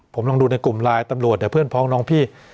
ผมลองดูในกลุ่มไลน์ตำรวจเดี๋ยวเพื่อนพ้องน้องพี่